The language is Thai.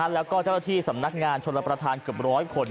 แล้วก็เจ้าหน้าที่สำนักงานชนรับประทานเกือบร้อยคน